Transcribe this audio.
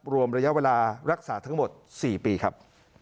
รวมระยะเวลารักษาทั้งหมด๔ปีครับ